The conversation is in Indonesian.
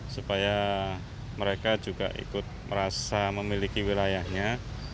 supaya mereka juga ikut merasa memiliki wilayahnya